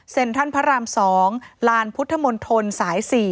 เซ็นทรัลพระราม๒ลานพุทธมนตร์ทนสาย๔